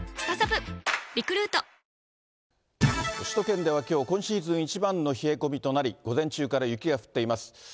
首都圏ではきょう、今シーズン一番の冷え込みとなり、午前中から雪が降っています。